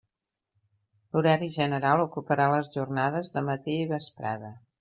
L'horari general ocuparà les jornades de matí i vesprada.